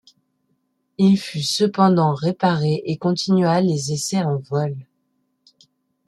Il fut cependant réparé et continua les essais en vol.